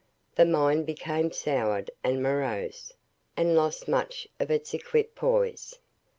The mind became soured and morose, and lost much of its equipoise.